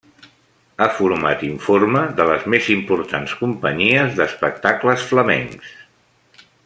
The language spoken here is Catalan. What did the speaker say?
Ha format informe de les més importants companyies d'espectacles flamencs.